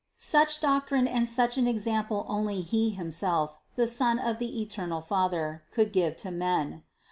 Such doctrine and such an example only He himself, the Son of the eternal Father, could give to men.